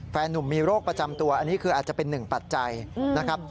แฟนนุ่มมีโรคประจำตัวอันนี้คืออาจจะเป็นหนึ่งปัจจัยนะครับ